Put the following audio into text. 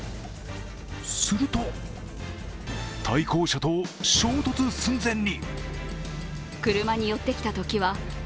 すると対向車と衝突寸前に。